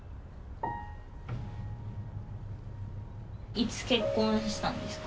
いつ結婚したんですか？